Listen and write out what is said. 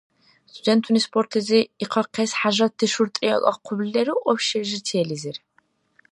Студентуни спортлизи ихъахъес хӀяжатти шуртӀри акӀахъубли леру общежитиелизир?